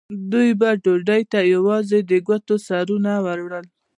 دوی به ډوډۍ ته یوازې د ګوتو سرونه وروړل.